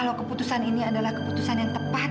kalau keputusan ini adalah keputusan yang tepat